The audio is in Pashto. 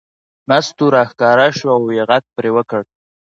مستو راښکاره شوه او یې پرې غږ وکړ.